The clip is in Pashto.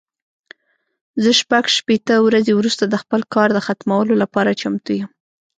زه شپږ شپېته ورځې وروسته د خپل کار د ختمولو لپاره چمتو یم.